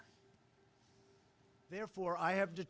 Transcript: sontak saja keputusan ini menimbulkan reaksi penolakan dari seluruh dunia